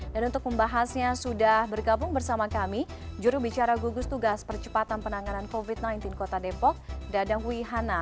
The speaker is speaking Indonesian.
dan untuk membahasnya sudah bergabung bersama kami juru bicara gugus tugas percepatan penanganan covid sembilan belas kota depok dadang hui hana